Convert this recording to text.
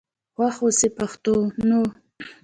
خوښ آوسئ پښتنو.